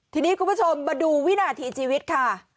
ทีนี้คุณผู้ชมมาดูวินาทีชีวิตค่ะ